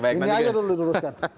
ini aja dulu diuruskan